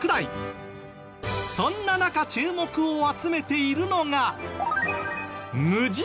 そんな中注目を集めているのが。